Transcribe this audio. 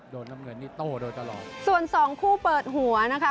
น้ำเงินนี่โต้โดยตลอดส่วนสองคู่เปิดหัวนะคะ